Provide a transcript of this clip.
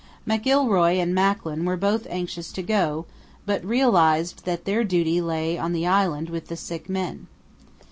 McIlroy and Macklin were both anxious to go but realized that their duty lay on the island with the sick men.